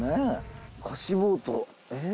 貸しボートええ？